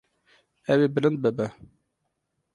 Ew ê bilind bibe.